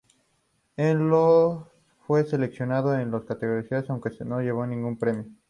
En los fue seleccionada en dos categorías, aunque no se llevó ningún premio.